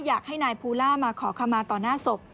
อยากให้นายภูล่ามาขอขมาต่อหน้าศพ